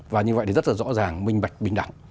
và như vậy thì rất là rõ ràng minh bạch bình đẳng